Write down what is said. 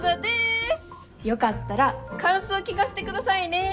よかったら感想聞かせてくださいね。